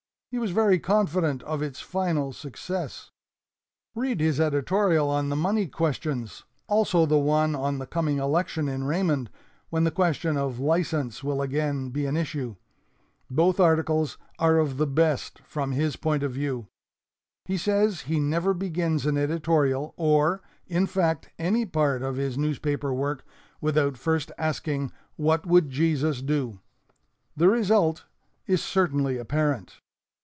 He was very confident of its final success. Read his editorial on the money questions, also the one on the coming election in Raymond when the question of license will again be an issue. Both articles are of the best from his point of view. He says he never begins an editorial or, in fact, any part of his newspaper work, without first asking, 'What would Jesus do?' The result is certainly apparent.